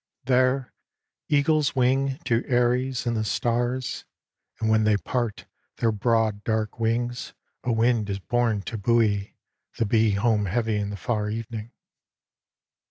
There eagles wing To eyries in the stars, and when they part Their broad dark wings a wind is born to buoy The bee home heavy in the far evening."